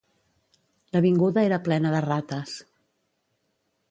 L'avinguda era plena de rates.